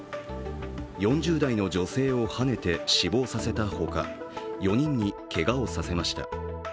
４０代の女性をはねて死亡させたほか、４人にけがをさせました。